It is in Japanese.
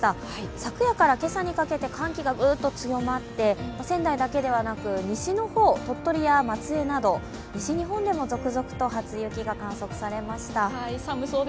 昨夜から今朝にかけて寒気がぐっと強まって仙台だけではなく、西の方、鳥取や松江など西日本でも続々と初雪が観測されました。